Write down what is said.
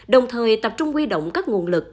đồng thời tập trung quy động các nguồn lực